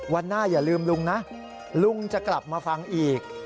วันหน้าอย่าลืมลุงนะลุงจะกลับมาฟังอีก